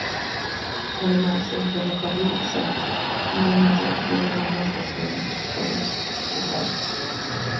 Además, el Ferrocarril Sarmiento tiene una estación Carlos Casares.